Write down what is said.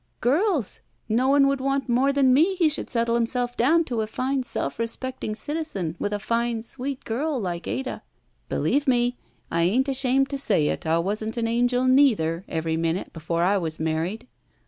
"Girls! No one wotdd want more than me he should settle himself down to a fine, self respecting citizen with a fine, sweet girl like Ad —" «34 ROULETTE ''Believe me, and I ain't ashamed to say it, I wasn't an angel, neither, every minute before I was married."